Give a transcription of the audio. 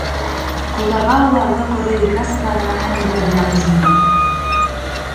Ҡолдарға уларҙы ҡоро ергә сығарырға һәм ерләргә ҡушылды.